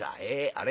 あれ？